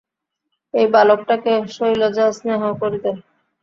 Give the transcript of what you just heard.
এই বালকটাকে শৈলজা স্নেহও করিত।